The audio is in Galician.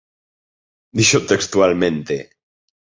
Dixo textualmente: